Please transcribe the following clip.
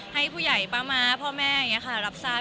ให้ผู้ใหญ่ป้าม้าพ่อแม่รับทราบ